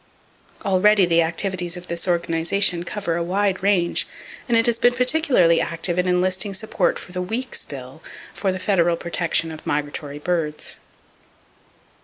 Already the activities of this organization cover a wide range, and it has been particularly active in enlisting support for the Weeks bill for the federal protection of migratory birds.